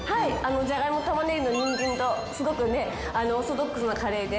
じゃがいも玉ねぎにんじんとすごくオーソドックスなカレーで。